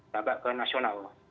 tampak ke nasional